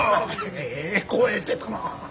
ええ声出たな。